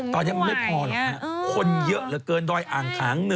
คลุมไม่ไหวอย่างนี้ฮืมตอนนี้มันไม่พอหรอกนะคนเยอะเกินดอยอ่างขาง๑